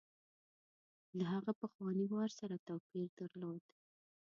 له هغه پخواني وار سره توپیر درلود.